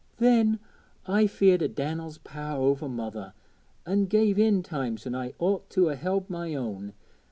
Then I was feared o' Dan'el's power over mother, an' give in times when I ought to 'a held my own.